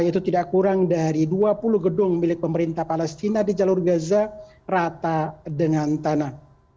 yaitu tidak kurang dari dua puluh gedung milik pemerintah palestina di jalur gaza rata dengan tanah